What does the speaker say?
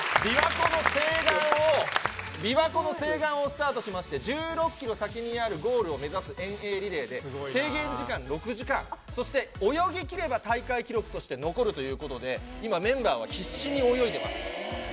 琵琶湖の西岸を、琵琶湖の西岸をスタートしまして、１６キロ先にあるゴールを目指す遠泳リレーで、制限時間６時間、そして、泳ぎ切れば大会記録として残るということで、今、メンバーは必死に泳いでます。